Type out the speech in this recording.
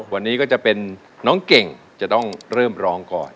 วันนี้ก็จะเป็นน้องเก่งจะต้องเริ่มร้องก่อน